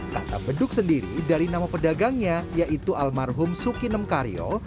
kata beduk sendiri dari nama pedagangnya yaitu almarhum sukinem karyo